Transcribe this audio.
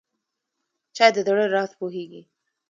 چای د زړه راز پوهیږي.